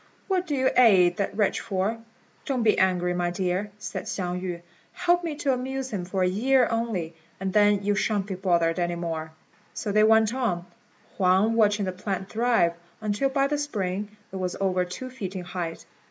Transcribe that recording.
what do you aid that wretch for?" "Don't be angry, my dear," said Hsiang yü; "help me to amuse him for a year only, and then you shan't be bothered any more." So they went on, Huang watching the plant thrive, until by the spring it was over two feet in height.